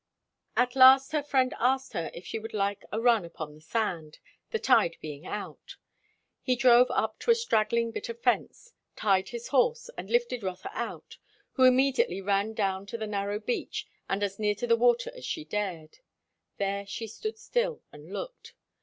At last her friend asked her if she would like a run upon the sand, the tide being then out. He drove up to a straggling bit of fence, tied his horse, and lifted Rotha out; who immediately ran down to the narrow beach and as near to the water as she dared; there stood still and looked.